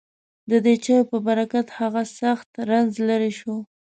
ددې چایو په برکت هغه سخت رنځ لېرې شو.